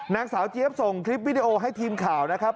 นางสาวเจี๊ยบส่งคลิปวิดีโอให้ทีมข่าวนะครับ